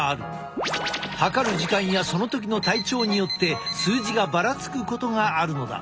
測る時間やその時の体調によって数字がばらつくことがあるのだ。